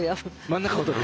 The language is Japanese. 真ん中をとる。